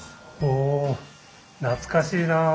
お懐かしいなあ。